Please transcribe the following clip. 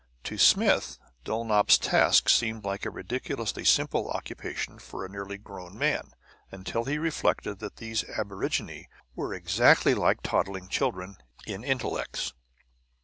To Smith, Dulnop's task seemed like a ridiculously simple occupation for a nearly grown man, until he reflected that these aborigines were exactly like toddling children in intellects.